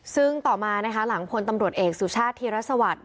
ซึ่งต่อมานะคะหลังพลตำรวจเอกสุชาติธีรสวัสดิ